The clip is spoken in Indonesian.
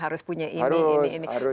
harus punya ini ini